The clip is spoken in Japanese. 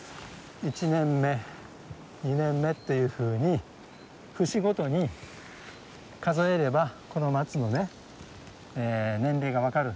１年目２年目っていうふうに節ごとに数えればこの松のね年齢が分かる。